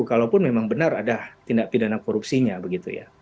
kalaupun memang benar ada tindak pidana korupsinya begitu ya